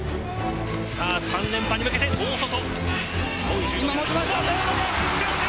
３連覇に向けて大外。